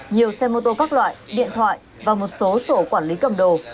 nhiều xe mô tô các loại điện thoại và một số sổ quản lý cầm đồ